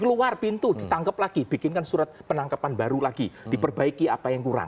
keluar pintu ditangkap lagi bikinkan surat penangkapan baru lagi diperbaiki apa yang kurang